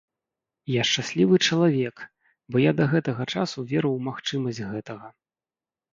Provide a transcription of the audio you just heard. Я шчаслівы чалавек, бо я да гэтага часу веру ў магчымасць гэтага.